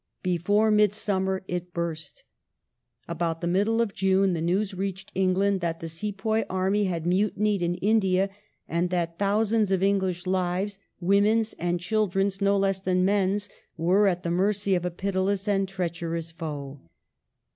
Before midsummer it burst. About the middle of June the news reached England that the Sepoy army had mutinied in India, and that thousands of English lives, women's and children's no less than men's, were at the mercy of a pitiless and treacherous foe.